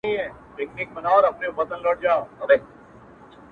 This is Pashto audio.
يار ژوند او هغه سره خنـديږي ـ